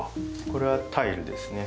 これはタイルですね。